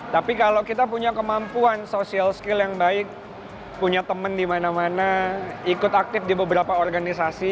tapi kalau kita punya kemampuan social skill yang baik punya teman di mana mana ikut aktif di beberapa organisasi